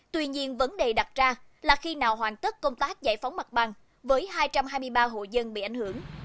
tuy nhiên vấn đề đặt ra là khi nào hoàn tất công tác giải phóng mặt bằng với hai trăm hai mươi ba hộ dân bị ảnh hưởng